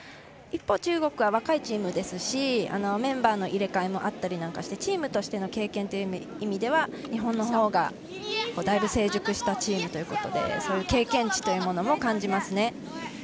一方、中国は若いチームですしメンバーの入れ替えもあってチームとしての経験という意味で日本のほうがだいぶ成熟したチームということで経験値というものを感じますね。